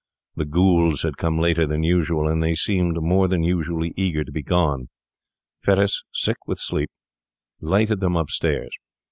The ghouls had come later than usual, and they seemed more than usually eager to be gone. Fettes, sick with sleep, lighted them upstairs.